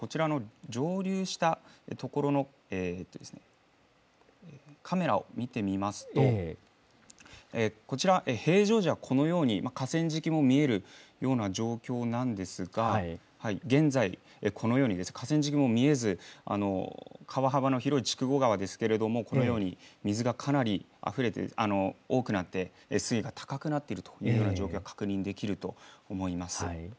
例えばこちらの上流した所のカメラを見てみますと、こちら、平常時はこのように河川敷も見えるような状況なんですが、現在、このように河川敷も見えず、川幅の広い筑後川ですけれども、このように水がかなりあふれて、多くなって、水位が高くなっているというような状況が確認できると思います。